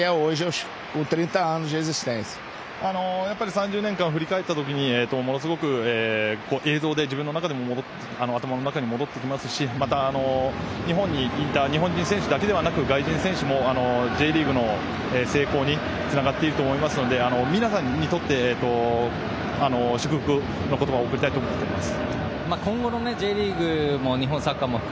３０年間振り返ったときにものすごく映像で自分の頭の中に戻ってきますし日本人選手だけじゃなく外人選手もＪリーグの成功につながってると思いますので皆さんにとって祝福の言葉を送りたいと思います。